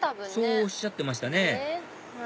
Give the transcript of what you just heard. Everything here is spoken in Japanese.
そうおっしゃってましたね